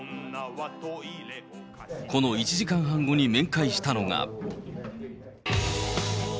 この１時間半後に面会したのが。